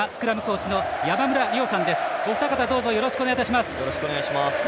お二方、よろしくお願いします。